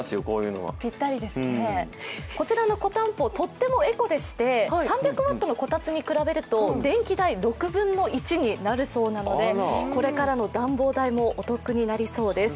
こちらのこたんぽはとってもエコでして、３００ワットのこたつに比べると電気代６分の１になるそうなので、これからの暖房代もお得になりそうです。